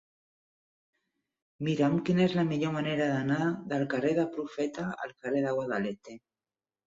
Mira'm quina és la millor manera d'anar del carrer del Profeta al carrer del Guadalete.